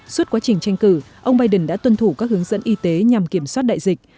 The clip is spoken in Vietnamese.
suốt quá trình tranh cử ông biden đã tuân thủ các hướng dẫn y tế nhằm kiểm soát đại dịch